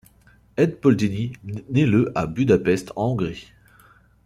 Ede Poldini naît le à Budapest en Hongrie.